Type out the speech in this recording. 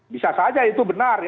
bisa saja itu benar